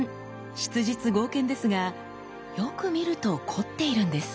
質実剛健ですがよく見ると凝っているんです。